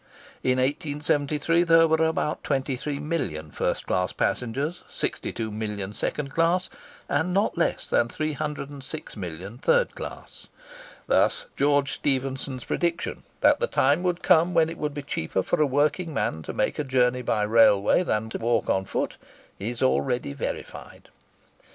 In 1873, there were about 23 million first class passengers, 62 million second class, and not less than 306 million third class. Thus George Stephenson's prediction, "that the time would come when it would be cheaper for a working man to make a journey by railway than to walk on foot," is already verified.